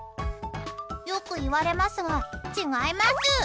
よく言われますが、違います！